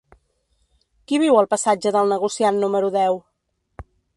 Qui viu al passatge del Negociant número deu?